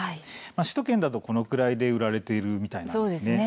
首都圏だとこのくらいで売られているみたいです。